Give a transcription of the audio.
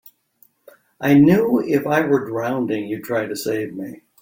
I knew if I were drowning you'd try to save me.